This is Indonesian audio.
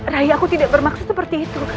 raya aku tidak bermaksud seperti itu